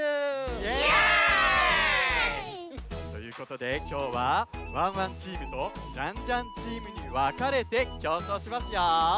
イエーイ！ということできょうはワンワンチームとジャンジャンチームにわかれてきょうそうしますよ！